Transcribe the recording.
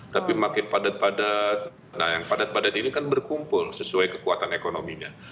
tapi makin padat padat nah yang padat padat ini kan berkumpul sesuai kekuatan ekonominya